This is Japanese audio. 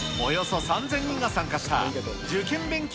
およそ３０００人が参加した受験勉強